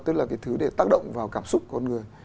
tức là cái thứ để tác động vào cảm xúc của con người